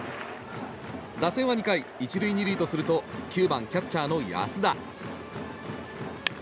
打線は２回、１塁２塁とすると９番キャッチャーの安田。